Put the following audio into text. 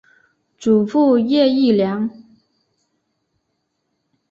祖父叶益良。